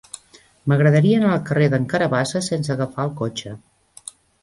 M'agradaria anar al carrer d'en Carabassa sense agafar el cotxe.